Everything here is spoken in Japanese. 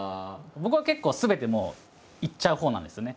僕は結構すべてもういっちゃうほうなんですよね。